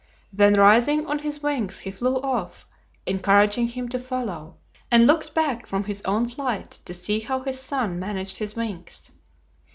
Then rising on his wings, he flew off, encouraging him to follow, and looked back from his own flight to see how his son managed his wings.